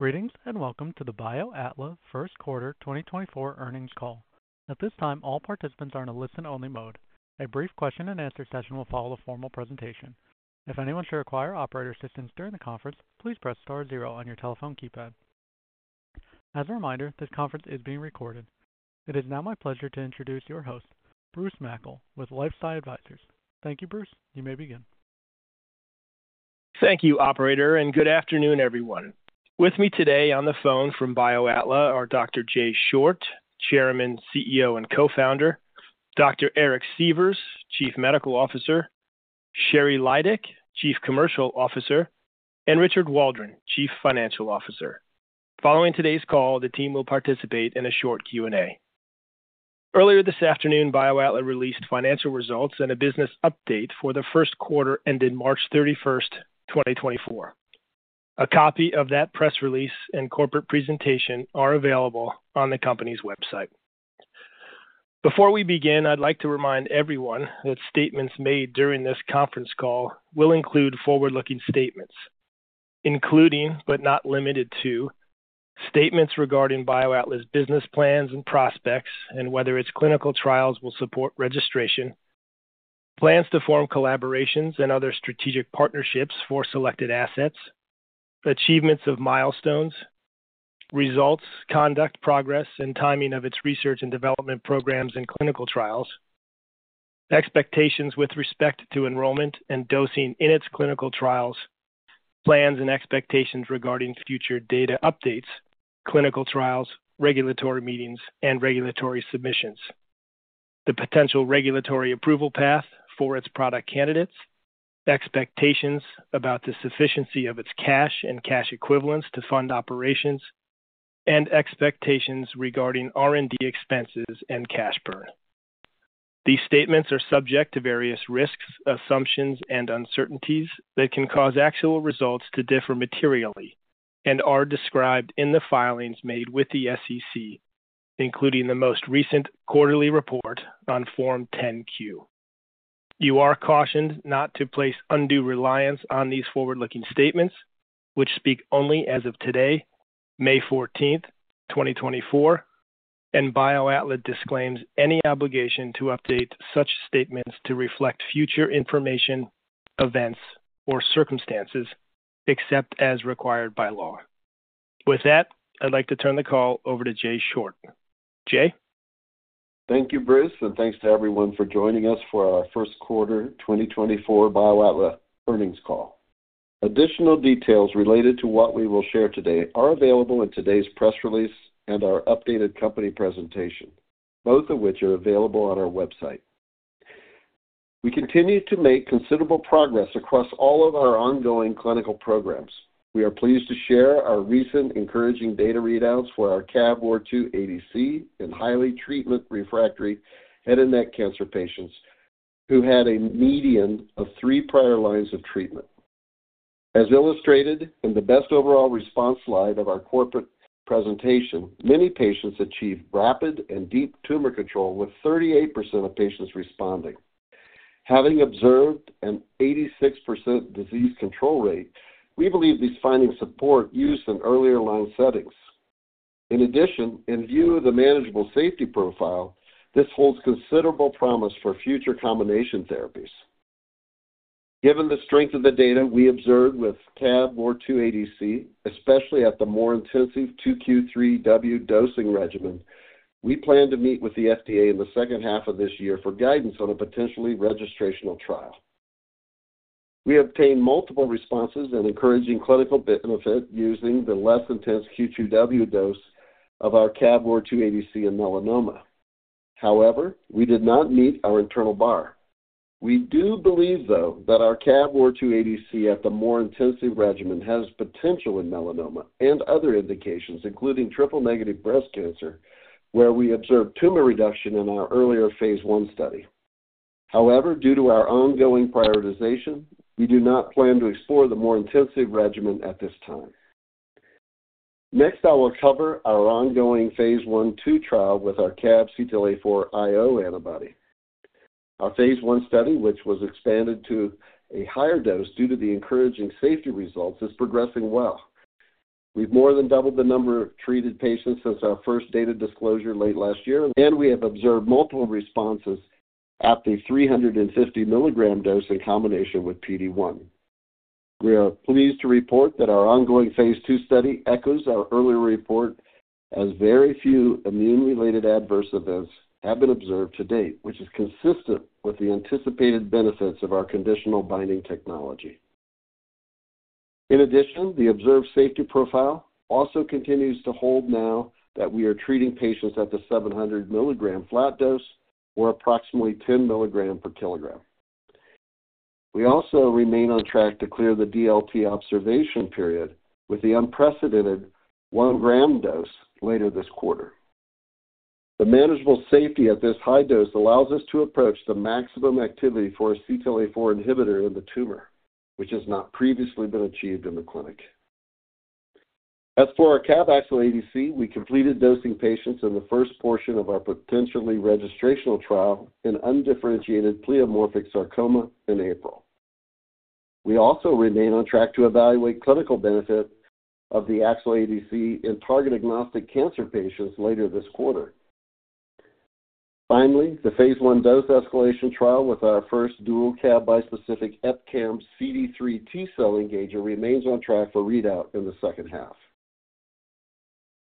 ...Greetings, and welcome to the BioAtla First Quarter 2024 earnings call. At this time, all participants are in a listen-only mode. A brief question and answer session will follow the formal presentation. If anyone should require operator assistance during the conference, please press star zero on your telephone keypad. As a reminder, this conference is being recorded. It is now my pleasure to introduce your host, Bruce Mackle, with LifeSci Advisors. Thank you, Bruce. You may begin. Thank you, operator, and good afternoon, everyone. With me today on the phone from BioAtla are Dr. Jay Short, Chairman, CEO, and Co-founder, Dr. Eric Sievers, Chief Medical Officer, Sheri Lydick, Chief Commercial Officer, and Richard Waldron, Chief Financial Officer. Following today's call, the team will participate in a short Q&A. Earlier this afternoon, BioAtla released financial results and a business update for the first quarter, ended March 31, 2024. A copy of that press release and corporate presentation are available on the company's website. Before we begin, I'd like to remind everyone that statements made during this conference call will include forward-looking statements, including, but not limited to, statements regarding BioAtla's business plans and prospects and whether its clinical trials will support registration, plans to form collaborations and other strategic partnerships for selected assets, achievements of milestones, results, conduct, progress, and timing of its research and development programs and clinical trials, expectations with respect to enrollment and dosing in its clinical trials, plans and expectations regarding future data updates, clinical trials, regulatory meetings, and regulatory submissions, the potential regulatory approval path for its product candidates, expectations about the sufficiency of its cash and cash equivalents to fund operations, and expectations regarding R&D expenses and cash burn. These statements are subject to various risks, assumptions, and uncertainties that can cause actual results to differ materially and are described in the filings made with the SEC, including the most recent quarterly report on Form 10-Q. You are cautioned not to place undue reliance on these forward-looking statements, which speak only as of today, May 14, 2024, and BioAtla disclaims any obligation to update such statements to reflect future information, events, or circumstances except as required by law. With that, I'd like to turn the call over to Jay Short. Jay? Thank you, Bruce, and thanks to everyone for joining us for our first quarter 2024 BioAtla earnings call. Additional details related to what we will share today are available in today's press release and our updated company presentation, both of which are available on our website. We continue to make considerable progress across all of our ongoing clinical programs. We are pleased to share our recent encouraging data readouts for our CAB-ROR2 ADC in highly treatment-refractory head and neck cancer patients who had a median of 3 prior lines of treatment. As illustrated in the best overall response slide of our corporate presentation, many patients achieved rapid and deep tumor control, with 38% of patients responding. Having observed an 86% disease control rate, we believe these findings support use in earlier line settings. In addition, in view of the manageable safety profile, this holds considerable promise for future combination therapies. Given the strength of the data we observed with CABOR2 ADC, especially at the more intensive 2 Q3W dosing regimen, we plan to meet with the FDA in the second half of this year for guidance on a potentially registrational trial. We obtained multiple responses and encouraging clinical benefit using the less intense Q2W dose of our CABOR2 ADC in melanoma. However, we did not meet our internal bar. We do believe, though, that our CABOR2 ADC at the more intensive regimen has potential in melanoma and other indications, including triple-negative breast cancer, where we observed tumor reduction in our earlier phase 1 study. However, due to our ongoing prioritization, we do not plan to explore the more intensive regimen at this time. Next, I will cover our ongoing phase 1/2 trial with our CAB CTLA-4 IO antibody. Our phase 1 study, which was expanded to a higher dose due to the encouraging safety results, is progressing well. We've more than doubled the number of treated patients since our first data disclosure late last year, and we have observed multiple responses at the 350 milligram dose in combination with PD-1. We are pleased to report that our ongoing phase 2 study echoes our earlier report, as very few immune-related adverse events have been observed to date, which is consistent with the anticipated benefits of our conditional binding technology. In addition, the observed safety profile also continues to hold now that we are treating patients at the 700 milligram flat dose or approximately 10 milligrams per kilogram. We also remain on track to clear the DLT observation period with the unprecedented 1-gram dose later this quarter. The manageable safety at this high dose allows us to approach the maximum activity for a CTLA-4 inhibitor in the tumor, which has not previously been achieved in the clinic. As for our CAB-AXL ADC, we completed dosing patients in the first portion of our potentially registrational trial in undifferentiated pleomorphic sarcoma in April.... We also remain on track to evaluate clinical benefit of the AXL ADC in target-agnostic cancer patients later this quarter. Finally, the phase 1 dose escalation trial with our first dual CAB bispecific EpCAM CD3 T cell engager remains on track for readout in the second half.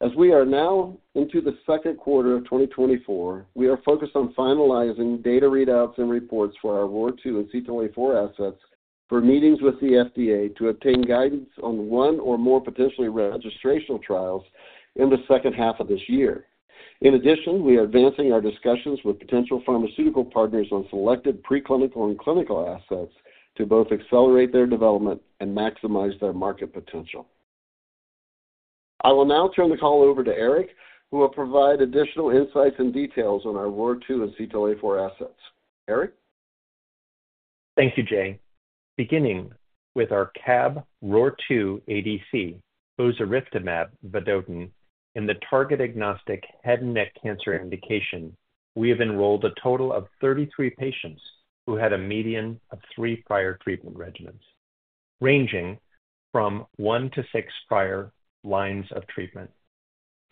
As we are now into the second quarter of 2024, we are focused on finalizing data readouts and reports for our ROR2 and CTLA-4 assets for meetings with the FDA to obtain guidance on one or more potentially registrational trials in the second half of this year. In addition, we are advancing our discussions with potential pharmaceutical partners on selected preclinical and clinical assets to both accelerate their development and maximize their market potential. I will now turn the call over to Eric, who will provide additional insights and details on our ROR2 and CTLA-4 assets. Eric? Thank you, Jay. Beginning with our CAB ROR2 ADC, ozuriftamab vedotin, in the target-agnostic head and neck cancer indication, we have enrolled a total of 33 patients who had a median of 3 prior treatment regimens, ranging from 1 to 6 prior lines of treatment.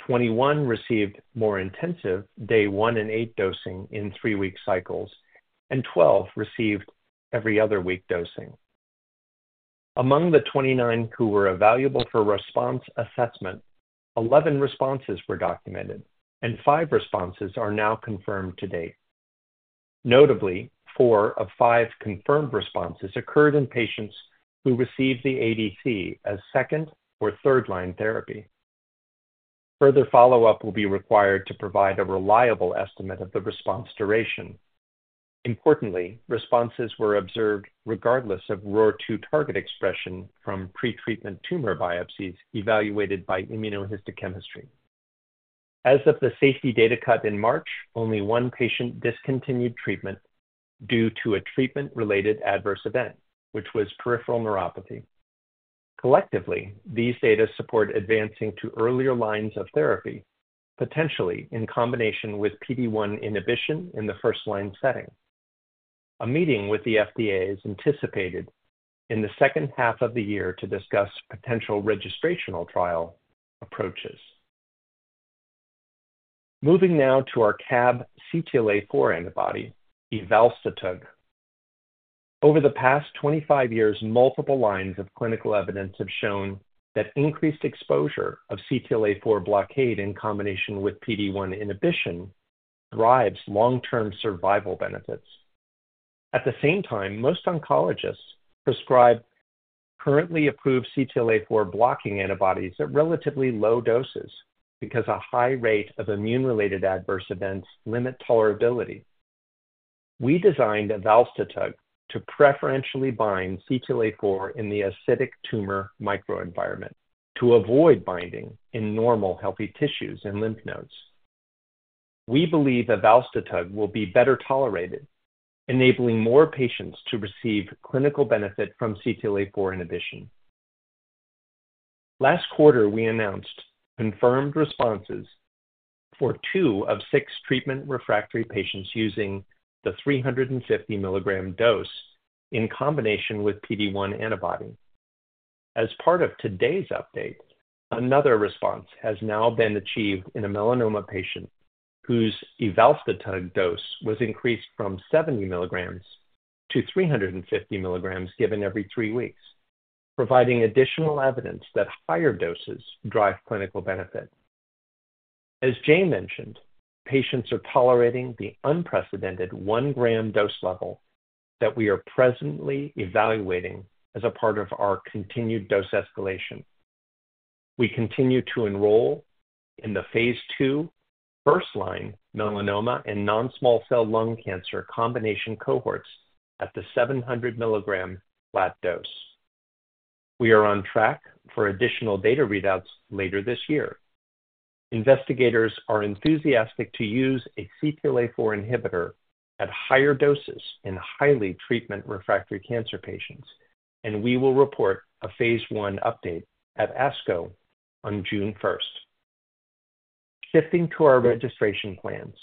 21 received more intensive day 1 and 8 dosing in 3-week cycles, and 12 received every other week dosing. Among the 29 who were evaluable for response assessment, 11 responses were documented, and 5 responses are now confirmed to date. Notably, 4 of 5 confirmed responses occurred in patients who received the ADC as second or third-line therapy. Further follow-up will be required to provide a reliable estimate of the response duration. Importantly, responses were observed regardless of ROR2 target expression from pre-treatment tumor biopsies evaluated by immunohistochemistry. As of the safety data cut in March, only one patient discontinued treatment due to a treatment-related adverse event, which was peripheral neuropathy. Collectively, these data support advancing to earlier lines of therapy, potentially in combination with PD-1 inhibition in the first line setting. A meeting with the FDA is anticipated in the second half of the year to discuss potential registrational trial approaches. Moving now to our CAB CTLA-4 antibody, evalstotug. Over the past 25 years, multiple lines of clinical evidence have shown that increased exposure of CTLA-4 blockade in combination with PD-1 inhibition drives long-term survival benefits. At the same time, most oncologists prescribe currently approved CTLA-4 blocking antibodies at relatively low doses because a high rate of immune-related adverse events limit tolerability. We designed evalstotug to preferentially bind CTLA-4 in the acidic tumor microenvironment to avoid binding in normal, healthy tissues and lymph nodes. We believe evalstotug will be better tolerated, enabling more patients to receive clinical benefit from CTLA-4 inhibition. Last quarter, we announced confirmed responses for two of six treatment-refractory patients using the 350 milligram dose in combination with PD-1 antibody. As part of today's update, another response has now been achieved in a melanoma patient whose evalstotug dose was increased from 70 milligrams to 350 milligrams, given every three weeks, providing additional evidence that higher doses drive clinical benefit. As Jay mentioned, patients are tolerating the unprecedented 1-gram dose level that we are presently evaluating as a part of our continued dose escalation. We continue to enroll in the phase 2 first-line melanoma and non-small cell lung cancer combination cohorts at the 700 milligram flat dose. We are on track for additional data readouts later this year. Investigators are enthusiastic to use a CTLA-4 inhibitor at higher doses in highly treatment-refractory cancer patients, and we will report a phase one update at ASCO on June first. Shifting to our registration plans,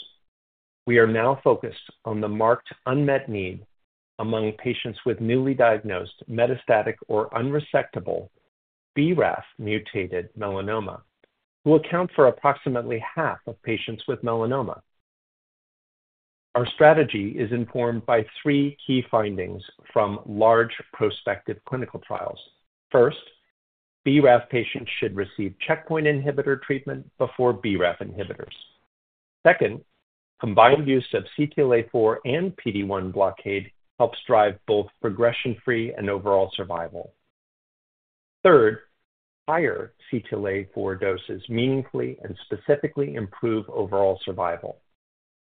we are now focused on the marked unmet need among patients with newly diagnosed metastatic or unresectable BRAF-mutated melanoma, who account for approximately half of patients with melanoma. Our strategy is informed by three key findings from large prospective clinical trials. First, BRAF patients should receive checkpoint inhibitor treatment before BRAF inhibitors. Second, combined use of CTLA-4 and PD-1 blockade helps drive both progression-free and overall survival. Third, higher CTLA-4 doses meaningfully and specifically improve overall survival.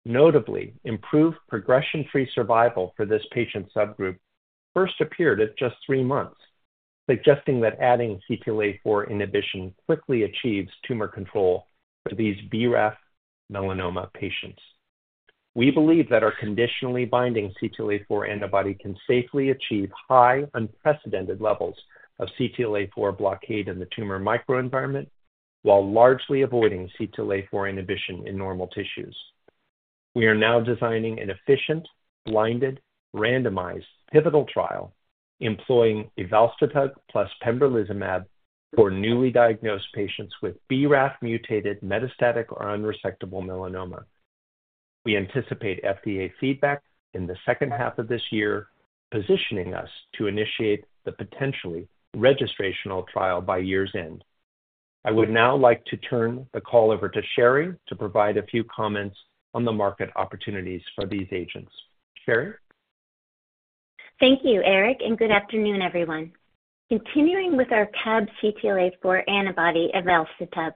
Notably, improved progression-free survival for this patient subgroup first appeared at just three months, suggesting that adding CTLA-4 inhibition quickly achieves tumor control for these BRAF melanoma patients. We believe that our conditionally binding CTLA-4 antibody can safely achieve high, unprecedented levels of CTLA-4 blockade in the tumor microenvironment while largely avoiding CTLA-4 inhibition in normal tissues... We are now designing an efficient, blinded, randomized, pivotal trial employing evalstotug plus pembrolizumab for newly diagnosed patients with BRAF-mutated metastatic or unresectable melanoma. We anticipate FDA feedback in the second half of this year, positioning us to initiate the potentially registrational trial by year's end. I would now like to turn the call over to Sheri to provide a few comments on the market opportunities for these agents. Sheri? Thank you, Eric, and good afternoon, everyone. Continuing with our CAB CTLA-4 antibody, evalstotug.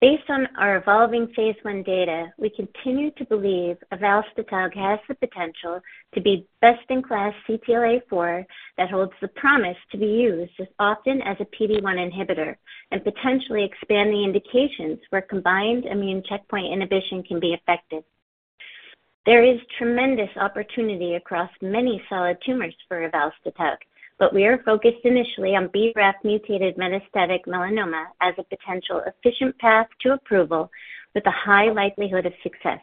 Based on our evolving phase 1 data, we continue to believe evalstotug has the potential to be best-in-class CTLA-4 that holds the promise to be used as often as a PD-1 inhibitor and potentially expand the indications where combined immune checkpoint inhibition can be effective. There is tremendous opportunity across many solid tumors for evalstotug, but we are focused initially on BRAF-mutated metastatic melanoma as a potential efficient path to approval with a high likelihood of success.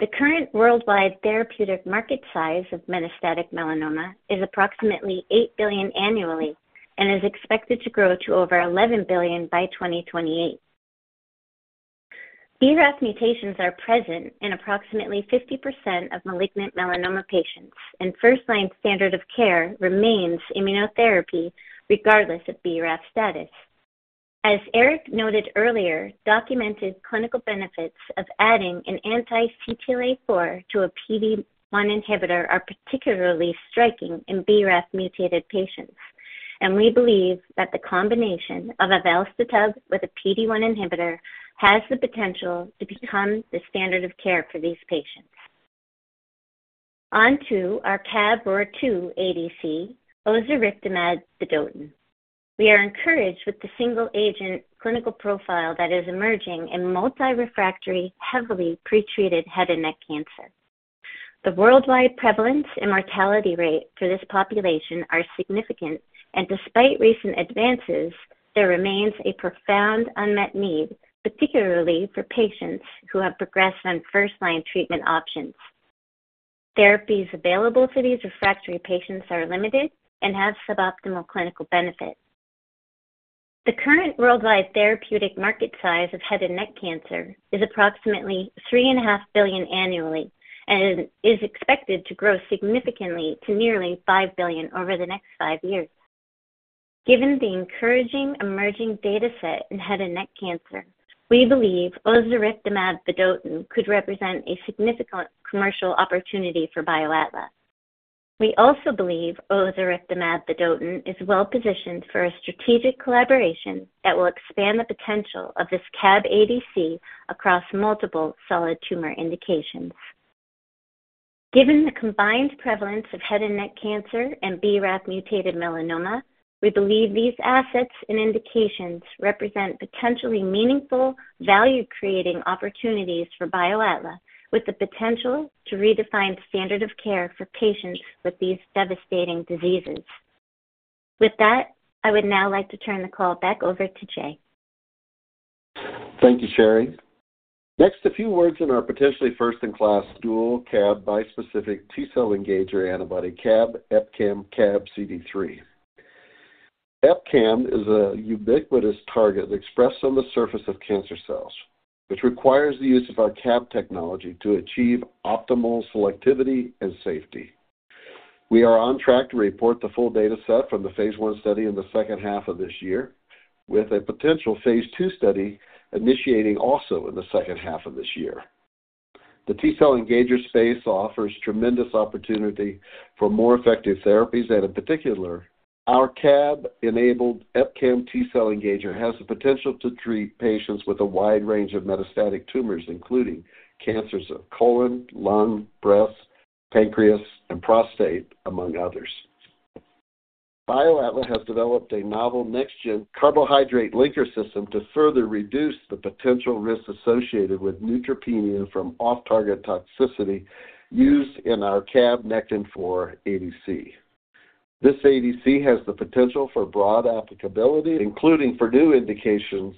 The current worldwide therapeutic market size of metastatic melanoma is approximately $8 billion annually and is expected to grow to over $11 billion by 2028. BRAF mutations are present in approximately 50% of malignant melanoma patients, and first-line standard of care remains immunotherapy regardless of BRAF status. As Eric noted earlier, documented clinical benefits of adding an anti-CTLA-4 to a PD-1 inhibitor are particularly striking in BRAF-mutated patients, and we believe that the combination of evalstotug with a PD-1 inhibitor has the potential to become the standard of care for these patients. On to our CAB-ROR2 ADC, ozuriftamab vedotin. We are encouraged with the single-agent clinical profile that is emerging in multi-refractory, heavily pretreated head and neck cancer. The worldwide prevalence and mortality rate for this population are significant, and despite recent advances, there remains a profound unmet need, particularly for patients who have progressed on first-line treatment options. Therapies available for these refractory patients are limited and have suboptimal clinical benefit. The current worldwide therapeutic market size of head and neck cancer is approximately $3.5 billion annually and is expected to grow significantly to nearly $5 billion over the next five years. Given the encouraging emerging data set in head and neck cancer, we believe ozuriftamab vedotin could represent a significant commercial opportunity for BioAtla. We also believe ozuriftamab vedotin is well-positioned for a strategic collaboration that will expand the potential of this CAB ADC across multiple solid tumor indications. Given the combined prevalence of head and neck cancer and BRAF-mutated melanoma, we believe these assets and indications represent potentially meaningful, value-creating opportunities for BioAtla, with the potential to redefine standard of care for patients with these devastating diseases. With that, I would now like to turn the call back over to Jay. Thank you, Sheri. Next, a few words on our potentially first-in-class dual CAB bispecific T-cell engager antibody, CAB EpCAM/CAB CD3. EpCAM is a ubiquitous target expressed on the surface of cancer cells, which requires the use of our CAB technology to achieve optimal selectivity and safety. We are on track to report the full data set from the phase 1 study in the second half of this year, with a potential phase 2 study initiating also in the second half of this year. The T-cell engager space offers tremendous opportunity for more effective therapies, and in particular, our CAB-enabled EpCAM T cell engager has the potential to treat patients with a wide range of metastatic tumors, including cancers of colon, lung, breast, pancreas and prostate, among others. BioAtla has developed a novel next-gen carbohydrate linker system to further reduce the potential risks associated with neutropenia from off-target toxicity used in our CAB-Nectin-4-ADC. This ADC has the potential for broad applicability, including for new indications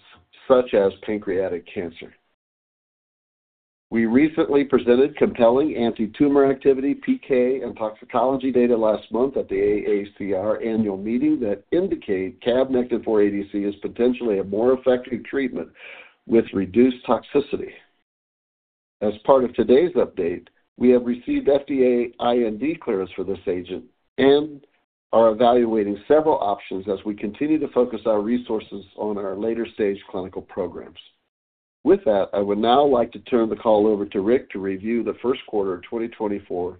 such as pancreatic cancer. We recently presented compelling antitumor activity, PK and toxicology data last month at the AACR annual meeting that indicate CAB-Nectin-4-ADC is potentially a more effective treatment with reduced toxicity. As part of today's update, we have received FDA IND clearance for this agent and are evaluating several options as we continue to focus our resources on our later-stage clinical programs. With that, I would now like to turn the call over to Rick to review the first quarter of 2024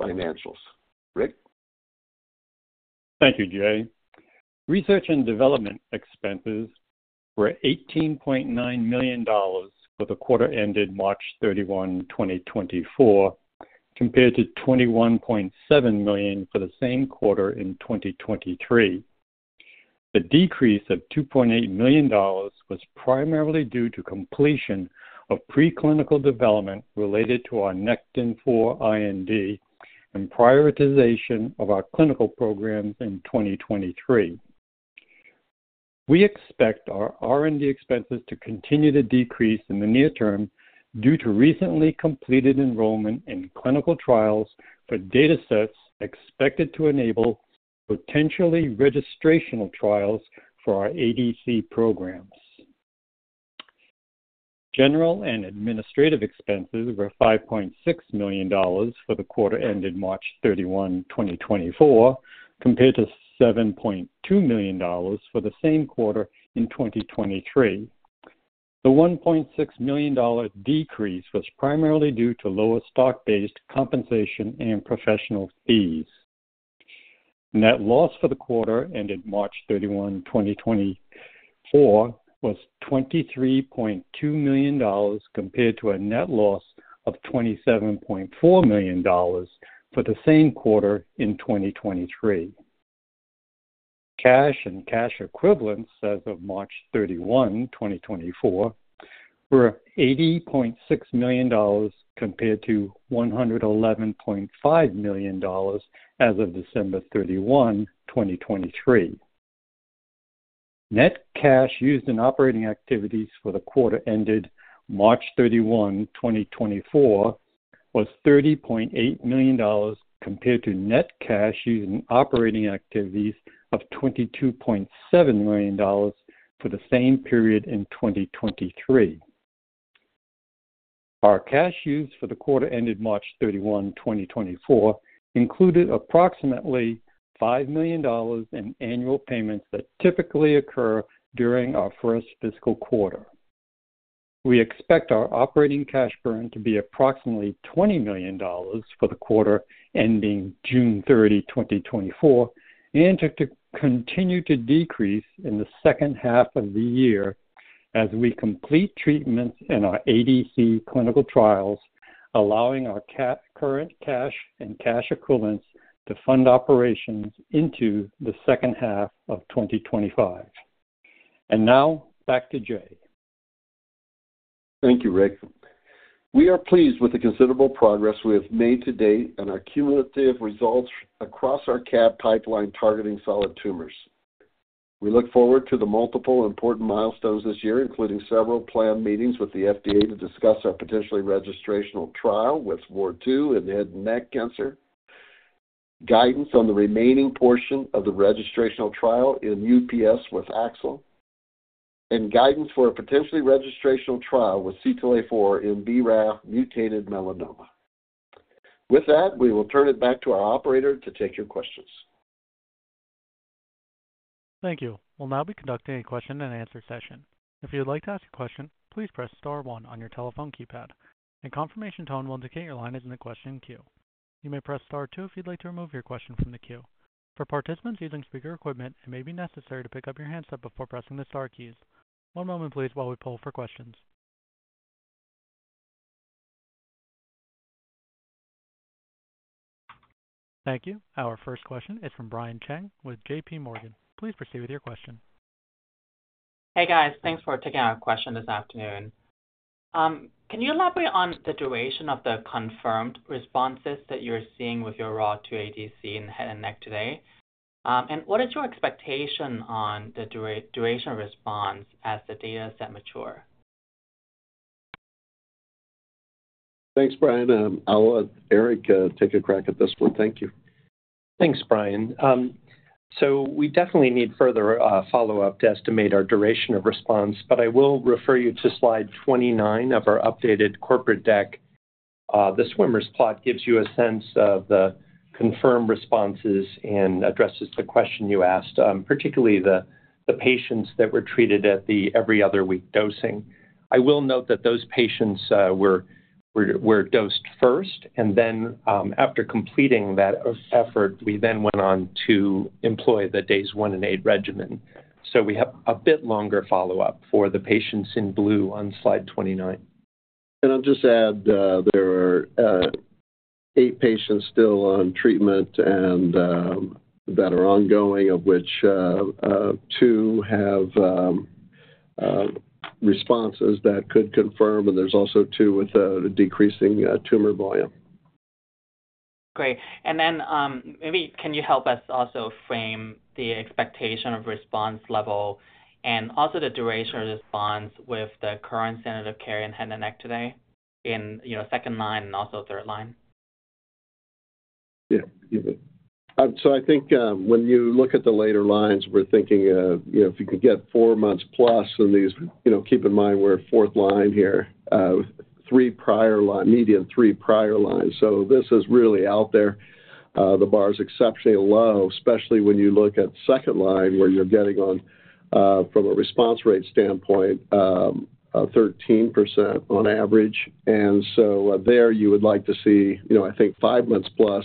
financials. Rick? Thank you, Jay. Research and development expenses were $18.9 million for the quarter ended March 31, 2024, compared to $21.7 million for the same quarter in 2023. The decrease of $2.8 million was primarily due to completion of preclinical development related to our Nectin-4 IND and prioritization of our clinical programs in 2023.... We expect our R&D expenses to continue to decrease in the near term due to recently completed enrollment in clinical trials for data sets expected to enable potentially registrational trials for our ADC programs. General and administrative expenses were $5.6 million for the quarter ended March 31, 2024, compared to $7.2 million for the same quarter in 2023. The $1.6 million decrease was primarily due to lower stock-based compensation and professional fees. Net loss for the quarter ended March 31, 2024, was $23.2 million, compared to a net loss of $27.4 million for the same quarter in 2023. Cash and cash equivalents as of March 31, 2024, were $80.6 million compared to $111.5 million as of December 31, 2023. Net cash used in operating activities for the quarter ended March 31, 2024, was $30.8 million, compared to net cash used in operating activities of $22.7 million for the same period in 2023. Our cash used for the quarter ended March 31, 2024, included approximately $5 million in annual payments that typically occur during our first fiscal quarter. We expect our operating cash burn to be approximately $20 million for the quarter ending June 30, 2024, and to continue to decrease in the second half of the year as we complete treatments in our ADC clinical trials, allowing our current cash and cash equivalents to fund operations into the second half of 2025. Now, back to Jay. Thank you, Rick. We are pleased with the considerable progress we have made to date and our cumulative results across our CAB pipeline targeting solid tumors. We look forward to the multiple important milestones this year, including several planned meetings with the FDA to discuss our potentially registrational trial with ROR2 and head and neck cancer, guidance on the remaining portion of the registrational trial in UPS with AXL, and guidance for a potentially registrational trial with CTLA-4 in BRAF mutated melanoma. With that, we will turn it back to our operator to take your questions. Thank you. We'll now be conducting a question and answer session. If you'd like to ask a question, please press star one on your telephone keypad, and confirmation tone will indicate your line is in the question queue. You may press star two if you'd like to remove your question from the queue. For participants using speaker equipment, it may be necessary to pick up your handset before pressing the star keys. One moment please while we pull for questions. Thank you. Our first question is from Brian Cheng with J.P. Morgan. Please proceed with your question. Hey, guys. Thanks for taking our question this afternoon. Can you elaborate on the duration of the confirmed responses that you're seeing with your ROR2 ADC in head and neck today? And what is your expectation on the duration response as the data set mature? Thanks, Brian. I'll let Eric take a crack at this one. Thank you. Thanks, Brian. So we definitely need further follow-up to estimate our duration of response, but I will refer you to slide 29 of our updated corporate deck. The swimmers plot gives you a sense of the confirmed responses and addresses the question you asked, particularly the patients that were treated at the every other week dosing. I will note that those patients were dosed first, and then, after completing that effort, we then went on to employ the days 1 and 8 regimen. So we have a bit longer follow-up for the patients in blue on slide 29. I'll just add, there are 8 patients still on treatment and that are ongoing, of which 2 have responses that could confirm, and there's also 2 with a decreasing tumor volume. Great. And then, maybe can you help us also frame the expectation of response level and also the duration of response with the current standard of care in head and neck today in, you know, second line and also third line? Yeah. So I think, when you look at the later lines, we're thinking, you know, if you could get four months plus in these, you know, keep in mind, we're fourth line here, three prior line—median three prior lines, so this is really out there. The bar is exceptionally low, especially when you look at second line, where you're getting on, from a response rate standpoint, 13% on average. And so there you would like to see, you know, I think five months plus.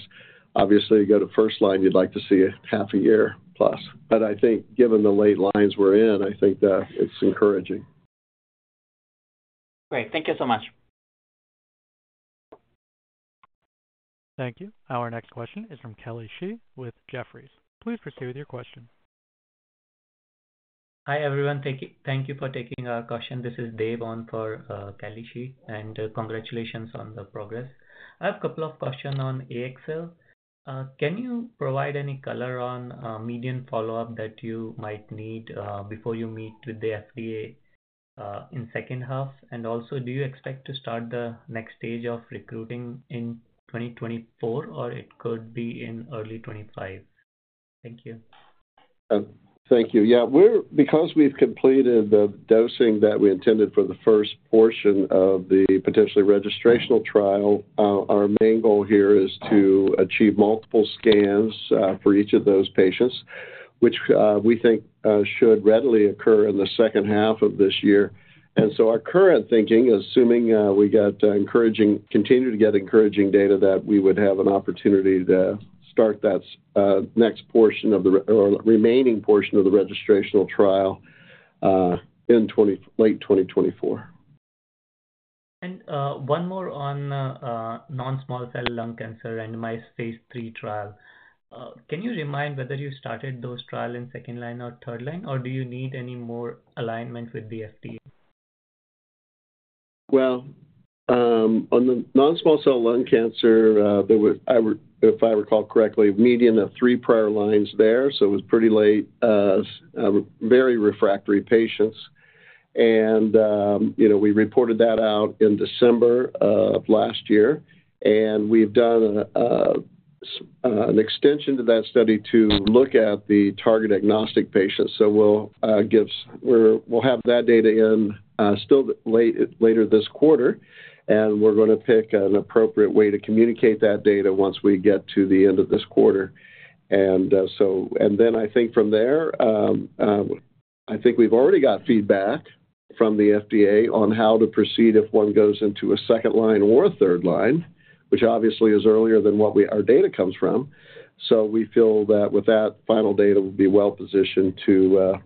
Obviously, you go to first line, you'd like to see a half a year plus. But I think given the late lines we're in, I think that it's encouraging. Great. Thank you so much. Thank you. Our next question is from Kelly Shi with Jefferies. Please proceed with your question. Hi, everyone. Thank you, thank you for taking our question. This is Dave on for, Kelly Shi, and congratulations on the progress. I have a couple of questions on AXL. Can you provide any color on, median follow-up that you might need, before you meet with the FDA?... in second half? And also, do you expect to start the next stage of recruiting in 2024, or it could be in early 2025? Thank you. Thank you. Yeah, we're because we've completed the dosing that we intended for the first portion of the potentially registrational trial, our main goal here is to achieve multiple scans for each of those patients, which we think should readily occur in the second half of this year. And so our current thinking, assuming we get encouraging, continue to get encouraging data, that we would have an opportunity to start that next portion of the remaining portion of the registrational trial in late 2024. One more on non-small cell lung cancer and ozuriftamab phase 3 trial. Can you remind whether you started those trial in second line or third line, or do you need any more alignment with the FDA? Well, on the non-small cell lung cancer, there were, if I recall correctly, a median of three prior lines there, so it was pretty late, very refractory patients. You know, we reported that out in December of last year, and we've done an extension to that study to look at the target agnostic patients. So we'll have that data in later this quarter, and we're going to pick an appropriate way to communicate that data once we get to the end of this quarter. Then I think from there, we've already got feedback from the FDA on how to proceed if one goes into a second line or a third line, which obviously is earlier than what our data comes from. So we feel that with that final data, we'll be well positioned to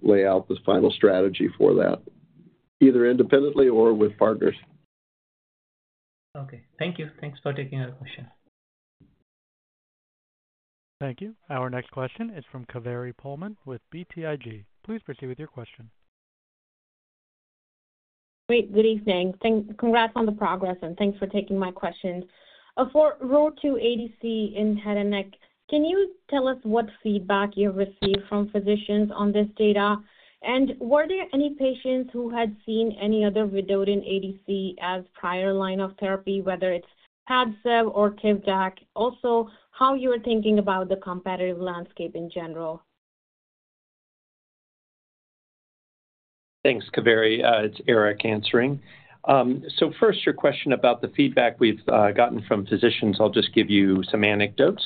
lay out the final strategy for that, either independently or with partners. Okay. Thank you. Thanks for taking our question. Thank you. Our next question is from Kaveri Pohlman with BTIG. Please proceed with your question. Great, good evening. Thanks, congrats on the progress, and thanks for taking my questions. For ROR2 ADC in head and neck, can you tell us what feedback you've received from physicians on this data? And were there any patients who had seen any other vedotin ADC as prior line of therapy, whether it's Padcev or Tivdak? Also, how you are thinking about the competitive landscape in general? Thanks, Kaveri. It's Eric answering. So first, your question about the feedback we've gotten from physicians. I'll just give you some anecdotes.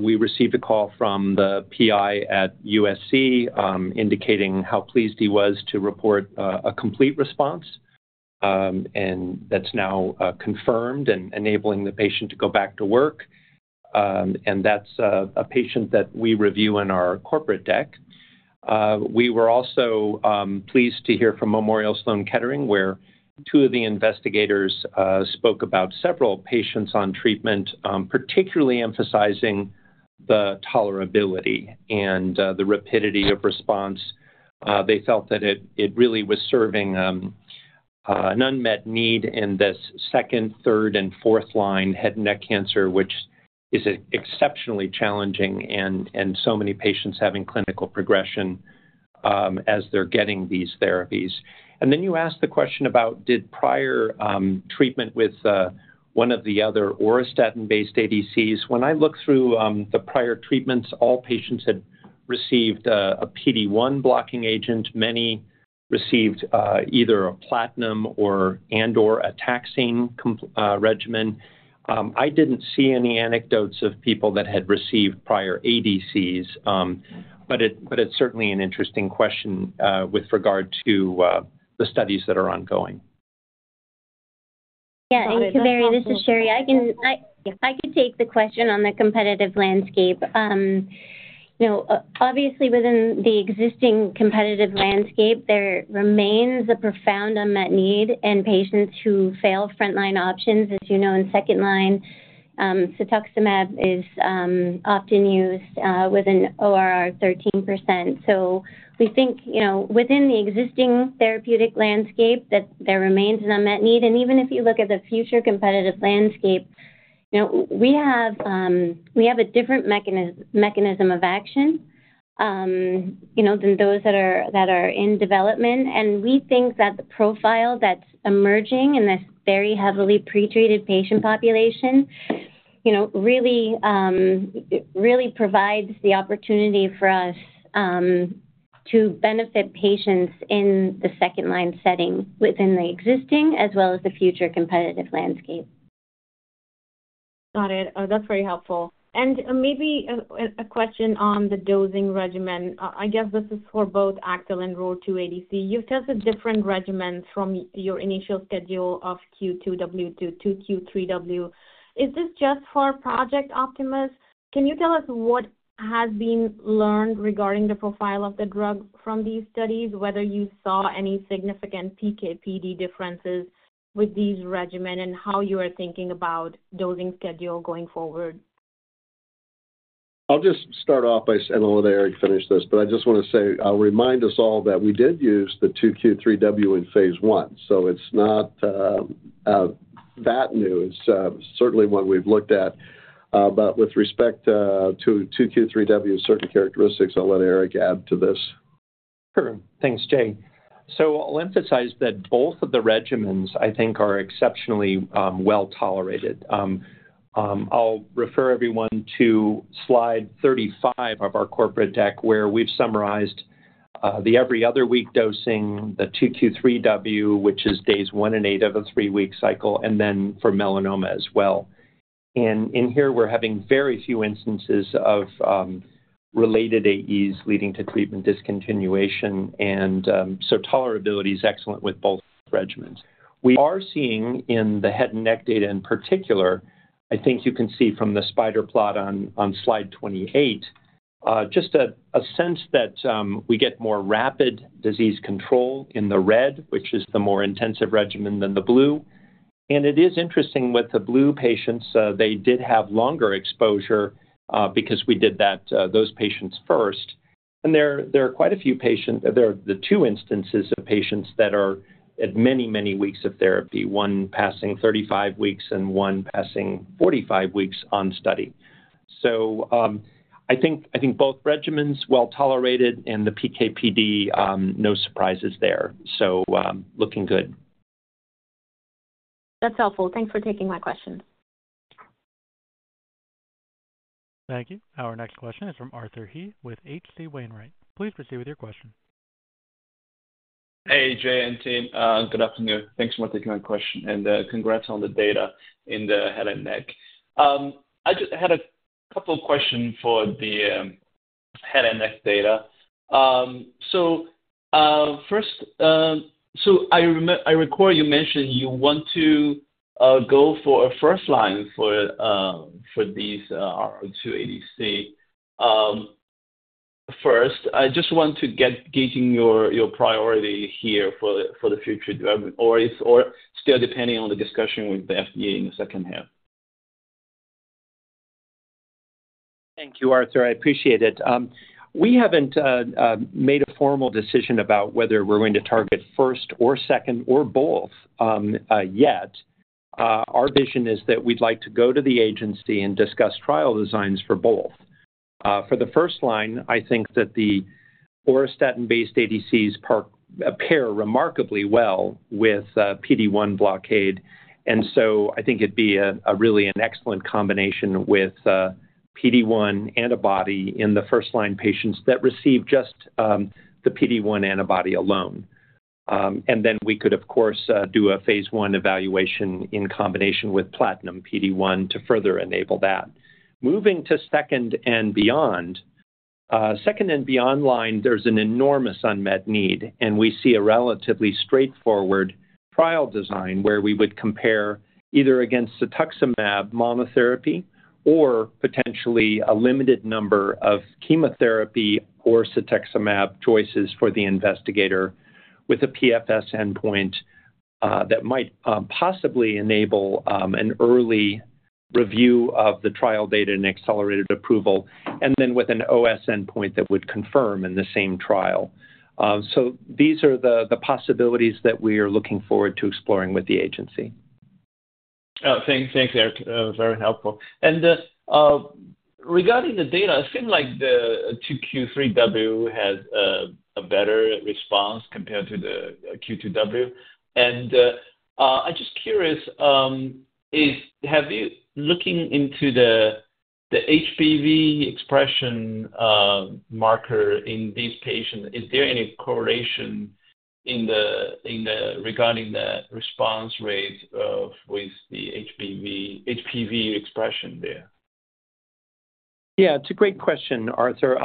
We received a call from the PI at USC, indicating how pleased he was to report a complete response, and that's now confirmed and enabling the patient to go back to work. And that's a patient that we review in our corporate deck. We were also pleased to hear from Memorial Sloan Kettering, where two of the investigators spoke about several patients on treatment, particularly emphasizing the tolerability and the rapidity of response. They felt that it really was serving an unmet need in this second, third, and fourth line head and neck cancer, which is exceptionally challenging and so many patients having clinical progression as they're getting these therapies. And then you asked the question about did prior treatment with one of the other auristatin-based ADCs. When I look through the prior treatments, all patients had received a PD-1 blocking agent. Many received either a platinum or and/or a taxane regimen. I didn't see any anecdotes of people that had received prior ADCs, but it's certainly an interesting question with regard to the studies that are ongoing. Yeah, and Kaveri, this is Sheri. I could take the question on the competitive landscape. You know, obviously, within the existing competitive landscape, there remains a profound unmet need in patients who fail frontline options. As you know, in second line, cetuximab is often used with an ORR 13%. So we think, you know, within the existing therapeutic landscape, that there remains an unmet need. And even if you look at the future competitive landscape, you know, we have a different mechanism of action, you know, than those that are in development. We think that the profile that's emerging in this very heavily pretreated patient population, you know, really, really provides the opportunity for us to benefit patients in the second line setting within the existing as well as the future competitive landscape. Got it. That's very helpful. And maybe a question on the dosing regimen. I guess this is for both AXL and ROR2 ADC. You've tested different regimens from your initial schedule of Q2W to Q3W. Is this just for Project Optimus? Can you tell us what has been learned regarding the profile of the drug from these studies, whether you saw any significant PK/PD differences with these regimens, and how you are thinking about dosing schedule going forward? I'll just start off by saying, and I'll let Eric finish this, but I just want to say, remind us all that we did use the 2 Q3W in phase 1, so it's not that new. It's certainly one we've looked at. But with respect to 2Q3W PK characteristics, I'll let Eric add to this. Sure. Thanks, Jay. So I'll emphasize that both of the regimens, I think, are exceptionally well tolerated. I'll refer everyone to slide 35 of our corporate deck, where we've summarized the every other week dosing, the Q2W, Q3W, which is days 1 and 8 of a three-week cycle, and then for melanoma as well. And in here, we're having very few instances of related AEs leading to treatment discontinuation, and so tolerability is excellent with both regimens. We are seeing in the head and neck data in particular, I think you can see from the spider plot on slide 28 just a sense that we get more rapid disease control in the red, which is the more intensive regimen than the blue. It is interesting with the blue patients, they did have longer exposure, because we did that, those patients first. And there, there are quite a few patients. There are the two instances of patients that are at many, many weeks of therapy, one passing 35 weeks and one passing 45 weeks on study. So, I think, I think both regimens well tolerated, and the PK/PD, no surprises there. So, looking good. That's helpful. Thanks for taking my question. Thank you. Our next question is from Arthur He with H.C. Wainwright. Please proceed with your question. Hey, Jay and team, good afternoon. Thanks for taking my question, and, congrats on the data in the head and neck. I just had a couple of questions for the head and neck data. So, first, I recall you mentioned you want to go for a first line for these two ADC. First, I just want to get gauging your priority here for the future dev- or if or still, depending on the discussion with the FDA in the second half. Thank you, Arthur. I appreciate it. We haven't made a formal decision about whether we're going to target first or second or both yet. Our vision is that we'd like to go to the agency and discuss trial designs for both. For the first line, I think that the ozuriftamab-based ADCs pair remarkably well with PD-1 blockade, and so I think it'd be a really excellent combination with PD-1 antibody in the first line patients that receive just the PD-1 antibody alone. And then we could, of course, do a phase 1 evaluation in combination with platinum PD-1 to further enable that. Moving to second and beyond line, there's an enormous unmet need, and we see a relatively straightforward trial design where we would compare either against cetuximab monotherapy or potentially a limited number of chemotherapy or cetuximab choices for the investigator, with a PFS endpoint that might possibly enable an early review of the trial data and accelerated approval, and then with an OS endpoint that would confirm in the same trial. So these are the, the possibilities that we are looking forward to exploring with the agency. Oh, thanks. Thanks, Eric. Very helpful. And regarding the data, it seemed like the Q3W has a better response compared to the Q2W. And I'm just curious, is have you looking into the HPV expression marker in these patients? Is there any correlation in the regarding the response rate with the HPV expression there? Yeah, it's a great question, Arthur.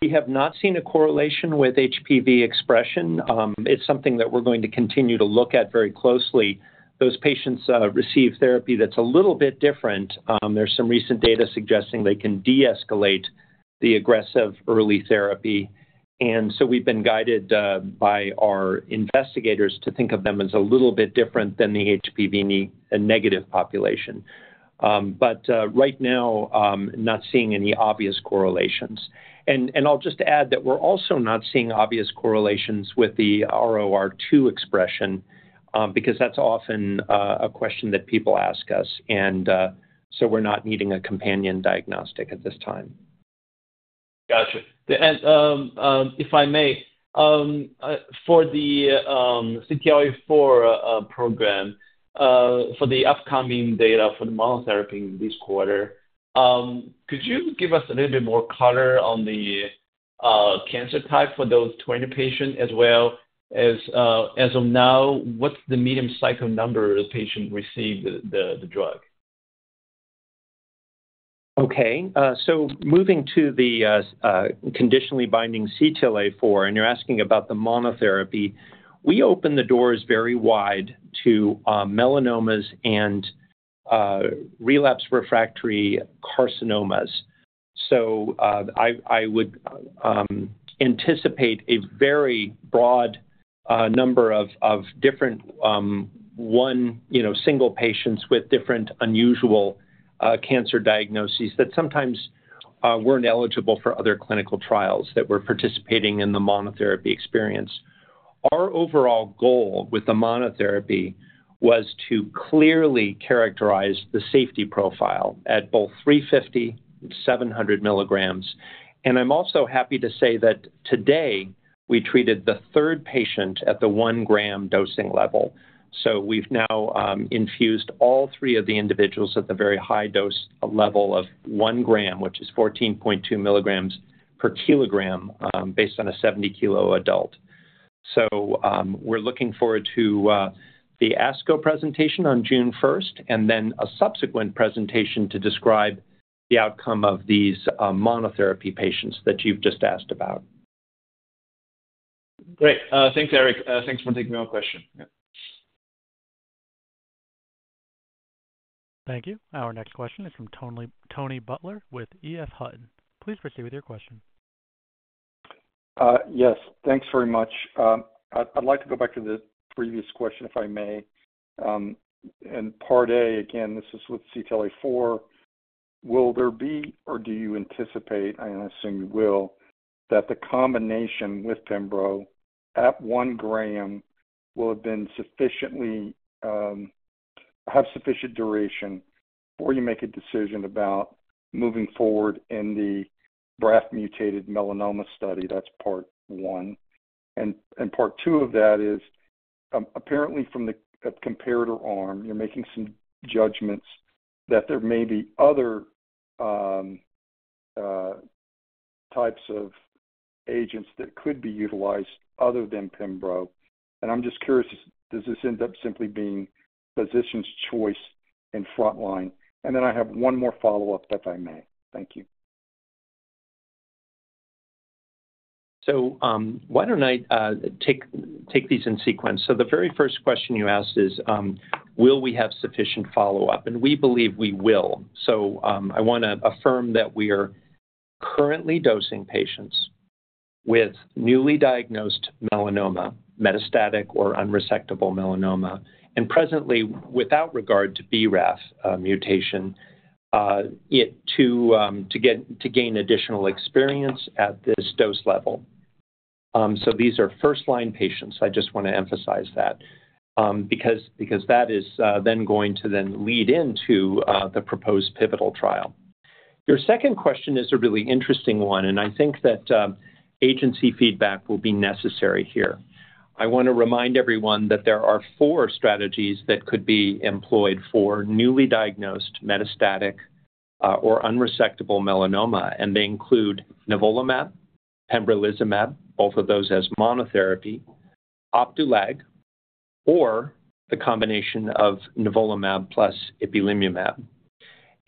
We have not seen a correlation with HPV expression. It's something that we're going to continue to look at very closely. Those patients receive therapy that's a little bit different. There's some recent data suggesting they can deescalate the aggressive early therapy, and so we've been guided by our investigators to think of them as a little bit different than the HPV negative population. But right now, not seeing any obvious correlations. And I'll just add that we're also not seeing obvious correlations with the ROR2 expression, because that's often a question that people ask us, and so we're not needing a companion diagnostic at this time. Gotcha. And if I may, for the CTLA-4 program, for the upcoming data for the monotherapy this quarter, could you give us a little bit more color on the cancer type for those 20 patients, as well as, as of now, what's the median cycle number the patient received the drug? Okay, so moving to the conditionally binding CTLA-4, and you're asking about the monotherapy. We open the doors very wide to melanomas and relapse refractory carcinomas. So, I would anticipate a very broad number of different one, you know, single patients with different unusual cancer diagnoses that sometimes weren't eligible for other clinical trials that were participating in the monotherapy experience. ...Our overall goal with the monotherapy was to clearly characterize the safety profile at both 350 and 700 milligrams. And I'm also happy to say that today we treated the third patient at the 1 gram dosing level. So we've now infused all three of the individuals at the very high dose level of 1 gram, which is 14.2 milligrams per kilogram, based on a 70 kilo adult. So, we're looking forward to the ASCO presentation on June first, and then a subsequent presentation to describe the outcome of these monotherapy patients that you've just asked about. Great. Thanks, Eric. Thanks for taking my question. Yeah. Thank you. Our next question is from Tony, Tony Butler with EF Hutton. Please proceed with your question. Yes, thanks very much. I'd like to go back to the previous question, if I may. And part A, again, this is with CTLA-4. Will there be, or do you anticipate, and I assume you will, that the combination with Pembro at 1 gram will have been sufficiently have sufficient duration before you make a decision about moving forward in the BRAF mutated melanoma study? That's part one. And part two of that is, apparently from the comparator arm, you're making some judgments that there may be other types of agents that could be utilized other than Pembro. And I'm just curious, does this end up simply being physician's choice in frontline? And then I have one more follow-up, if I may. Thank you. So, why don't I take these in sequence? So the very first question you asked is, will we have sufficient follow-up? And we believe we will. So, I want to affirm that we are currently dosing patients with newly diagnosed melanoma, metastatic or unresectable melanoma, and presently, without regard to BRAF mutation, to gain additional experience at this dose level. So these are first-line patients. I just want to emphasize that, because that is going to lead into the proposed pivotal trial. Your second question is a really interesting one, and I think that, agency feedback will be necessary here. I want to remind everyone that there are four strategies that could be employed for newly diagnosed metastatic or unresectable melanoma, and they include nivolumab, pembrolizumab, both of those as monotherapy, Opdualag, or the combination of nivolumab plus ipilimumab.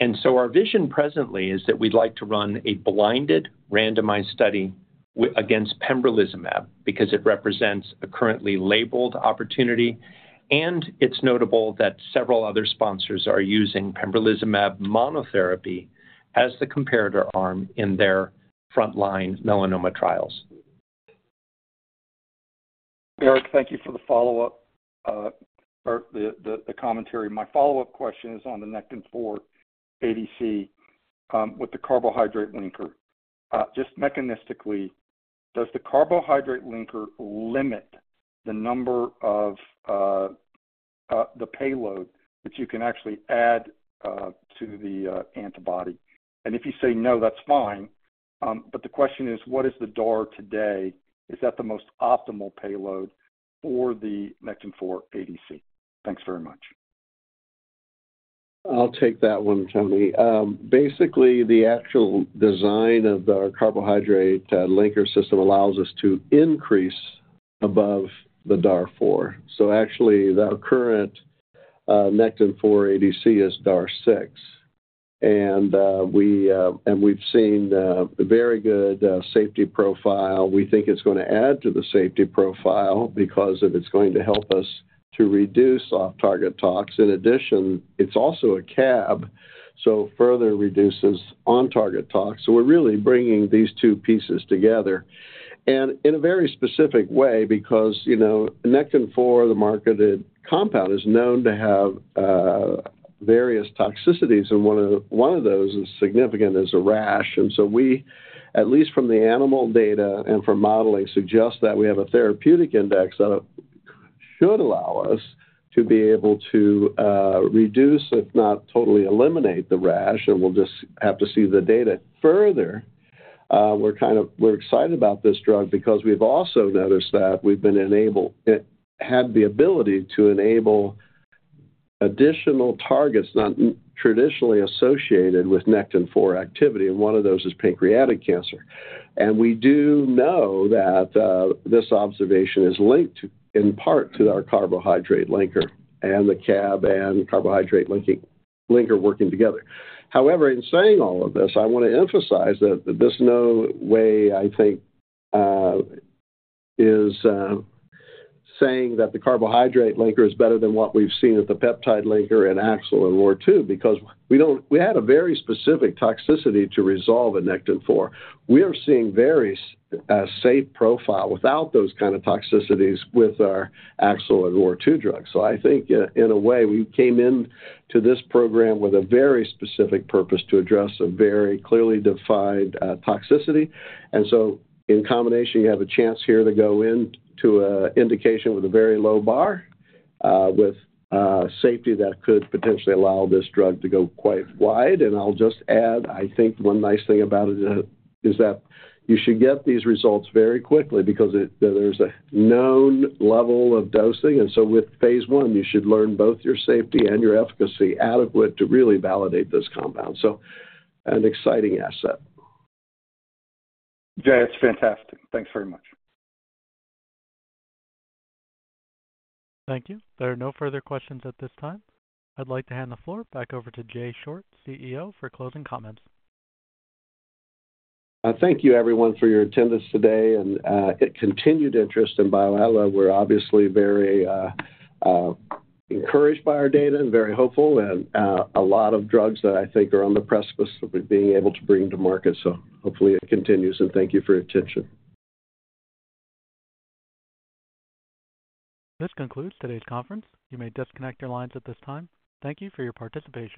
And so our vision presently is that we'd like to run a blinded randomized study against pembrolizumab because it represents a currently labeled opportunity, and it's notable that several other sponsors are using pembrolizumab monotherapy as the comparator arm in their front-line melanoma trials. Eric, thank you for the follow-up, or the commentary. My follow-up question is on the Nectin-4 ADC, with the carbohydrate linker. Just mechanistically, does the carbohydrate linker limit the number of the payload that you can actually add to the antibody? And if you say no, that's fine. But the question is: What is the DAR today? Is that the most optimal payload for the Nectin-4 ADC? Thanks very much. I'll take that one, Tony. Basically, the actual design of our carbohydrate linker system allows us to increase above the DAR 4. So actually, our current nectin-4 ADC is DAR 6. And we've seen the very good safety profile. We think it's going to add to the safety profile because it's going to help us to reduce off-target tox. In addition, it's also a CAB, so further reduces on-target tox. So we're really bringing these two pieces together and in a very specific way, because, you know, nectin-4, the marketed compound, is known to have various toxicities, and one of those is significant as a rash. And so we, at least from the animal data and from modeling, suggest that we have a therapeutic index that should allow us to be able to reduce, if not totally eliminate, the rash, and we'll just have to see the data further. We're kind of excited about this drug because we've also noticed that it had the ability to enable additional targets not traditionally associated with Nectin-4 activity, and one of those is pancreatic cancer. We do know that this observation is linked in part to our carbohydrate linker and the CAB and carbohydrate linking, linker working together. However, in saying all of this, I want to emphasize that this in no way, I think, is saying that the carbohydrate linker is better than what we've seen with the peptide linker in Axel or ROR2 because we had a very specific toxicity to resolve in Nectin-4. We are seeing a very safety profile without those kind of toxicities with our Axel or ROR2 drugs. So I think in a way, we came in to this program with a very specific purpose to address a very clearly defined toxicity. And so in combination, you have a chance here to go into indication with a very low bar with safety that could potentially allow this drug to go quite wide. I'll just add, I think one nice thing about it is that you should get these results very quickly because it, there's a known level of dosing, and so with phase one, you should learn both your safety and your efficacy adequate to really validate this compound. So an exciting asset. Jay, it's fantastic. Thanks very much. Thank you. There are no further questions at this time. I'd like to hand the floor back over to Jay Short, CEO, for closing comments. Thank you everyone for your attendance today and continued interest in BioAtla. We're obviously very encouraged by our data and very hopeful, and a lot of drugs that I think are on the precipice of being able to bring to market. So hopefully it continues, and thank you for your attention. This concludes today's conference. You may disconnect your lines at this time. Thank you for your participation.